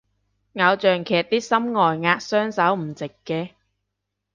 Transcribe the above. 偶像劇啲心外壓隻手唔直嘅